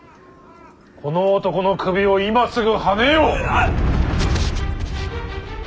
この男の首を今すぐはねよ。